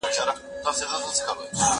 چي په ګور کي به یې مړې خندوله